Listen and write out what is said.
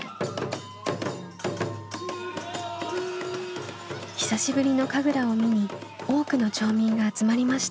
久しぶりの神楽を見に多くの町民が集まりました。